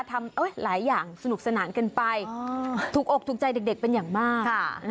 หลายอย่างสนุกสนานกันไปถูกอกถูกใจเด็กเป็นอย่างมาก